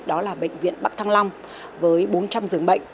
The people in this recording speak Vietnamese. đó là bệnh viện bắc thăng long với bốn trăm linh giường bệnh